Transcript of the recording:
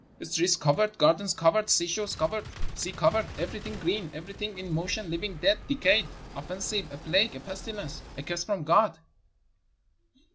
streets covered, gardens covered, seashore covered, sea covered, every thing green, everything in motion; living, dead, decayed, offensive; a plague, a pestilence, a curse from God!"